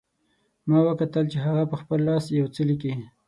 ما وکتل چې هغه په خپل لاس یو څه لیکي